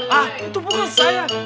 hah itu bukan saya